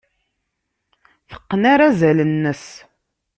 Teqqen arazal-nnes.